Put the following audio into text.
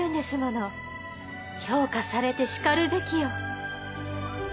評価されてしかるべきよ。